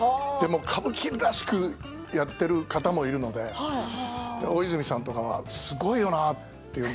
でも歌舞伎らしくやってる方もいるので大泉さんとはすごいよなと。